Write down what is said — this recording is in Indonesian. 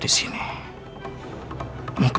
tapi udah tak nunggu multing